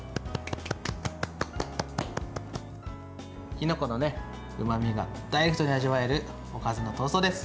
きのこのうまみがダイレクトに味わえるおかずのトーストです。